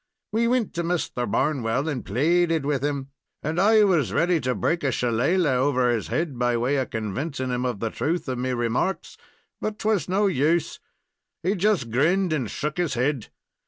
We wint to Misther Barnwell and plaided with him, and I was ready to break a shillalah over his head by way of convincin' him of the truth of me remarks, but it was no use. He just grinned and shook his head.